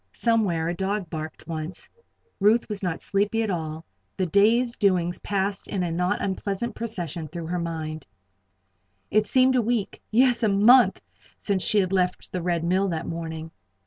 Somewhere a dog barked once. Ruth was not sleepy at all. The day's doings passed in a not unpleasant procession through her mind. It seemed a week yes! a month since she had left the Red Mill that morning.